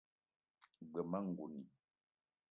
G-beu ma ngouni